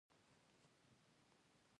د بڼو په غشیو تا بیچاره ماریا